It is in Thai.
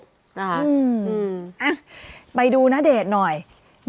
อื้ออ้ะไปดูณเดชน่ะ